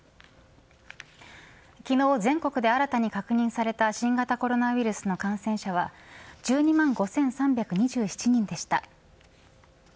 昨日、全国で新たに確認された新型コロナウイルスの感染者は１２万５３２７人でした。